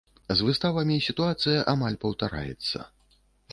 З выставамі сітуацыя амаль паўтараецца.